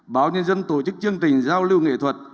báo nhân dân tổ chức chương trình giao lưu nghệ thuật